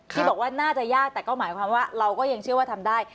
ที่บอกว่าน่าจะยากแต่ก็หมายความว่าเราก็ยังเชื่อว่าทำได้